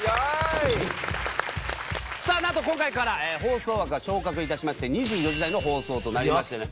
さあなんと今回から放送枠が昇格致しまして２４時台の放送となりましてね。